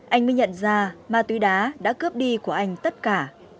anh mới nhận ra ma túy đá đã cướp đi của anh tất cả